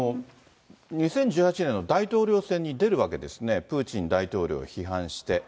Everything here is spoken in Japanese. ２０１８年の大統領選に出るわけですね、プーチン大統領を批判して。